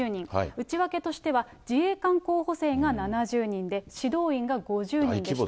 内訳としては、自衛官候補生が７０人で指導員が５０人でした。